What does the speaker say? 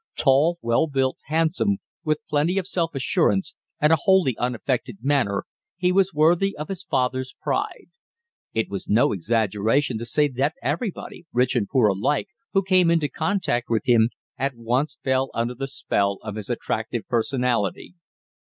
Tall, well built, handsome, with plenty of self assurance and a wholly unaffected manner, he was worthy of his father's pride. It was no exaggeration to say that everybody, rich and poor alike, who came into contact with him, at once fell under the spell of his attractive personality.